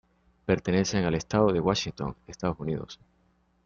Pertenecen al Estado de Washington, Estados Unidos.